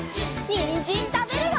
にんじんたべるよ！